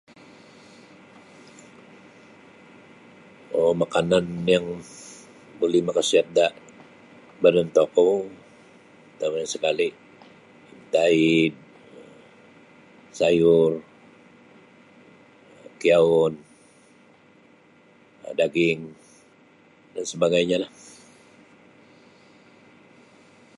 um Makanan yang buli makasiat da badan tokou pertama sekali intaid, sayur, kiyaun, daging dan sebagainya lah.